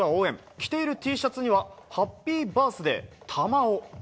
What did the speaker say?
着ているＴシャツには「ハッピーバースデータマオ」。